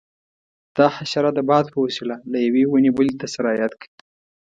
دا حشره د باد په وسیله له یوې ونې بلې ته سرایت کوي.